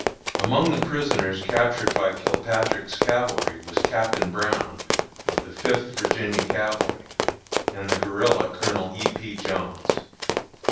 "Among the prisoners captured by Kilpatrick's cavalry was Captain Brown, of the Fifth Virginia cavalry, and the guerilla, Colonel E. P. Jones.